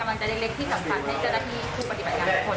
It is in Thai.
ให้เจ้าหน้าที่คุณปฏิบัติการทุกคนสู้นะคะ